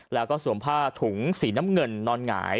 แล้วก็สวมผ้าถุงสีน้ำเงินนอนหงาย